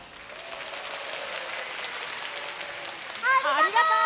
ありがとう！